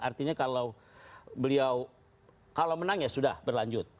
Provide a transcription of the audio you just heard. artinya kalau beliau kalau menang ya sudah berlanjut